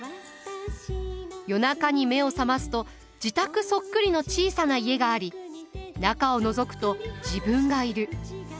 夜中に目を覚ますと自宅そっくりの小さな家があり中をのぞくと自分がいる。